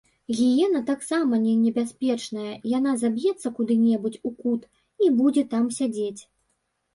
Гіена таксама не небяспечная, яна заб'ецца куды-небудзь у кут і будзе там сядзець.